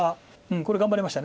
これ頑張りました。